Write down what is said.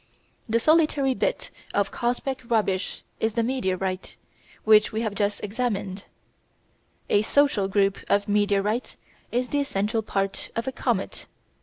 The solitary bit of cosmic rubbish is the meteorite, which we have just examined. A "social" group of meteorites is the essential part of a comet.